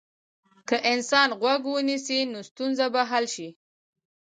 که انسان غوږ ونیسي، نو ستونزه به حل شي.